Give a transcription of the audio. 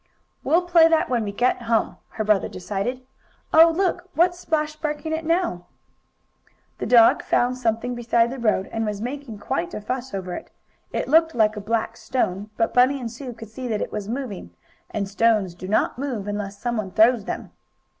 "We'll play that when we get home," her brother decided. "Oh, look! What's Splash barking at now?" The dog had found something beside the road, and was making quite a fuss over it. It looked like a black stone, but Bunny and Sue could see that it was moving, and stones do not move unless someone throws them.